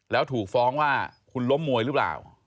แล้วถูกฟ้องว่าคุณล้มมวยหรือเปล่า